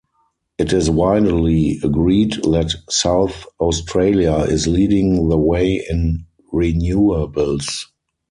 It is widely agreed that South Australia is leading the way in renewables.